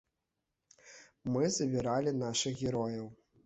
Мы забіралі нашых герояў.